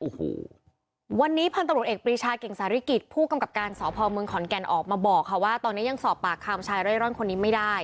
โอ้โหวันนี้พันธุ์ตำรวจเอกปรีชาเก่งสาริกิจผู้กำกับการสพเมืองขอนแก่นออกมาบอกค่ะว่าตอนนี้ยังสอบปากคำชายเร่ร่อนคนนี้ไม่ได้